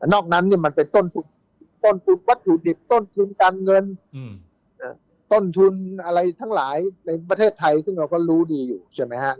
นอกนั้นเนี่ยมันเป็นต้นวัตถุดิบต้นทุนการเงินต้นทุนอะไรทั้งหลายในประเทศไทยซึ่งเราก็รู้ดีอยู่ใช่ไหมฮะ